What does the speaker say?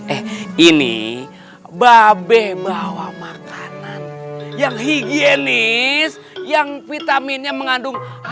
eh ini babe bawa makanan yang higienis yang vitaminnya mengandung